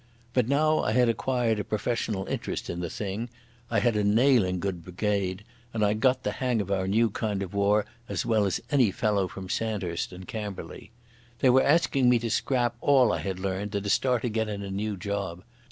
But now I had acquired a professional interest in the thing, I had a nailing good brigade, and I had got the hang of our new kind of war as well as any fellow from Sandhurst and Camberley. They were asking me to scrap all I had learned and start again in a new job.